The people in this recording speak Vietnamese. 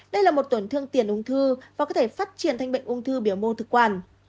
đây là một tổn thương tiền ung thư và có thể phát triển thành bệnh ung thư biểu mô thực quản